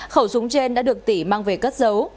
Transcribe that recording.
khẩu súng trên đã được tỷ mang về cất dấu